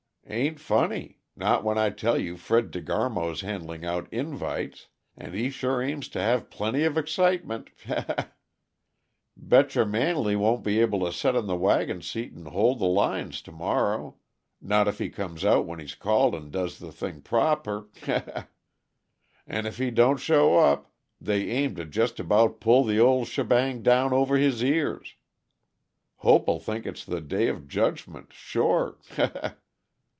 "Ain't funny not when I tell you Fred De Garmo's handing out the _in_vites, and he sure aims to have plenty of excitement he he! Betcher Manley won't be able to set on the wagon seat an' hold the lines t' morrow not if he comes out when he's called and does the thing proper he he! An' if he don't show up, they aim to jest about pull the old shebang down over his ears. Hope'll think it's the day of judgment, sure _he he!